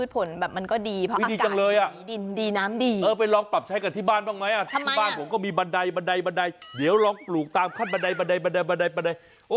ไปลองปรับใช้กันที่บ้านบ้างไหมที่บ้านเราก็มีบันได